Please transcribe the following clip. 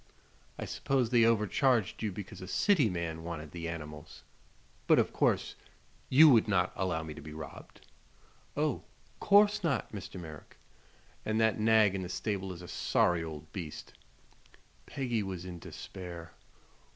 "I suppose they overcharged you because a city man wanted the animals. But of course you would not allow me to be robbed." "Oh, 'course not, Mr. Merrick!" "And that nag in the stable is a sorry old beast." Peggy was in despair.